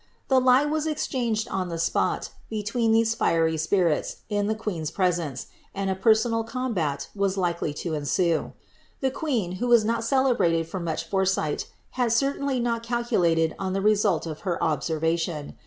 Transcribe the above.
The lie was exchanged on the spot, between these fiery spirits, in the queen's presence, and a personal combat was likely to ensue. The queen, who was not celebrated for much foresight, had certainly not calculated on the result of her observation.